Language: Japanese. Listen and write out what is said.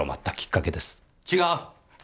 違う！